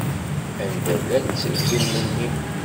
Anda llan yiselkimen-nni?